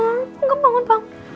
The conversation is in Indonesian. kok gak bangun bang